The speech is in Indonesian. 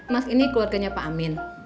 mas ini keluarganya pak amin